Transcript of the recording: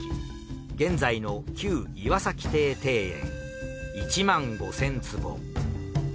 現在の旧岩崎邸庭園１万５，０００坪。